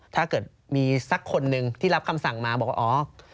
ถ้าเกิดมีสักคนหนึ่งที่รับคำสั่งมาบอกว่าอ๋อ